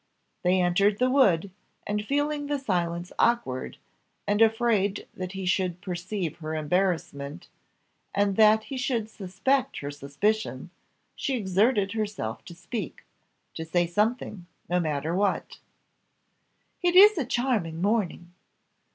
They entered the wood, and feeling the silence awkward, and afraid that he should perceive her embarrassment, and that he should suspect her suspicion, she exerted herself to speak to say something, no matter what. "It is a charming morning!"